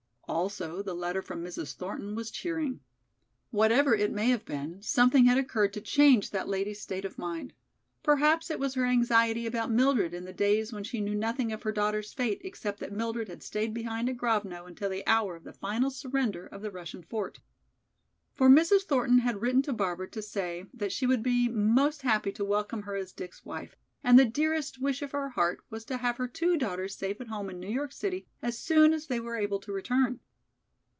Also the letter from Mrs. Thornton was cheering. Whatever it may have been, something had occurred to change that lady's state of mind. Perhaps it was her anxiety about Mildred in the days when she knew nothing of her daughter's fate except that Mildred had stayed behind at Grovno until the hour of the final surrender of the Russian fort. For Mrs. Thornton had written to Barbara to say that she would be most happy to welcome her as Dick's wife, and the dearest wish of her heart was to have her two daughters safe at home in New York City as soon as they were able to return.